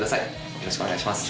よろしくお願いします